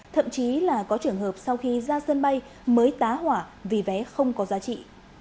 thậm chí là có trường hợp sau khi ra sân bay mới tá hỏa vì vé không có giá trị